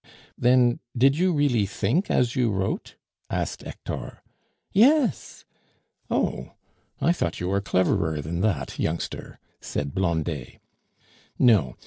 "Then did you really think as you wrote?" asked Hector. "Yes." "Oh! I thought you were cleverer than that, youngster," said Blondet. "No.